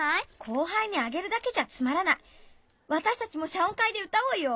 後輩にあげるだけじゃつまらない私たちも謝恩会で歌おうよ。